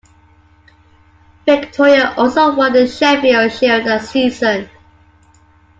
Victoria also won the Sheffield Shield that season.